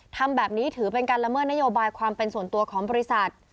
ทำแบบนี้ถือเป็นการละเมิดนโยบายความเป็นส่วนตัวของบริษัท